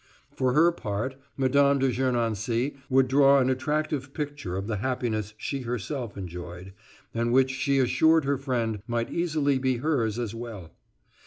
For her part Mme. de Gernancé would draw an attractive picture of the happiness she herself enjoyed, and which she assured her friend might easily be hers as well.